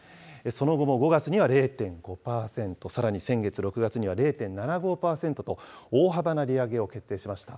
その後も５月には０．５％、さらに先月・６月には０．７５％と、大幅な利上げを決定しました。